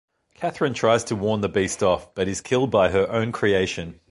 Catherine tries to warn the beast off, but is killed by her own creation.